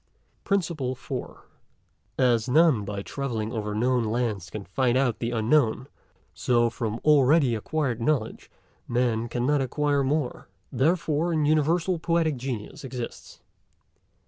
PRINCIPLE FOURTH. As none by travelling over known lands can find out the unknown ; so from already acquired knowledge Man could not acquire more ; therefore an universal Poetic Genius exists.